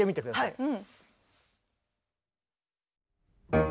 はい。